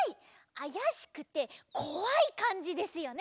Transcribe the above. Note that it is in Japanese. あやしくてこわいかんじですよね？